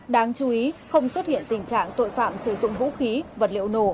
đáng chú ý không xuất hiện tình trạng tội phạm sử dụng vũ khí vật liệu nổ